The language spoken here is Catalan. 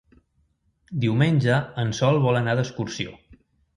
Diumenge en Sol vol anar d'excursió.